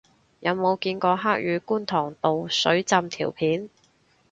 有冇見過黑雨觀塘道水浸條片